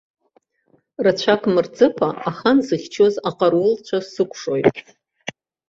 Рацәак мырҵыкәа ахан зыхьчоз аҟарулцәа сыкәшоит.